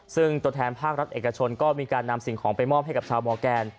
ซึ่งตัวแทนภาครัฐเอกชนก็มีการนำสิ่งของไปมอบให้กับชาวมอร์แกน